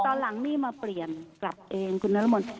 ตอนหลังนี่มาเปลี่ยนกลับเองคุณนรมนต์